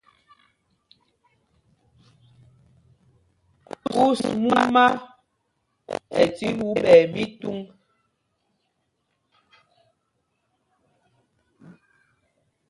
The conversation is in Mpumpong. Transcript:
Kus mumá ɛ tí ɓuu ɓɛɛ mítuŋ.